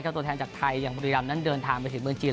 ตัวแทนจากไทยอย่างบุรีรำนั้นเดินทางไปถึงเมืองจีน